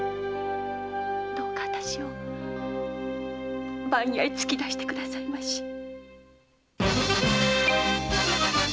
どうか私を番屋へ突き出してくださいまし。